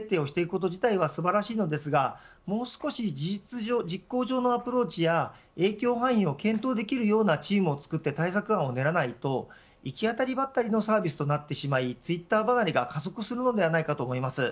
意思決定自体は素晴らしいですがもう少し事実上のアプローチや影響範囲を検討できるようなチームを作って対策案を練らないと行き当たりばったりのサービスとなってしまいツイッター離れが加速すると思われます。